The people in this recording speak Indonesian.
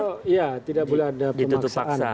kalau ya tidak boleh ada pemaksaan